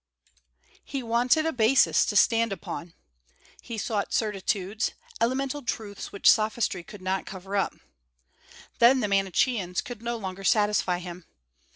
He wanted a basis to stand upon. He sought certitudes, elemental truths which sophistry could not cover up. Then the Manicheans could no longer satisfy him.